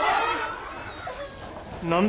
何だ？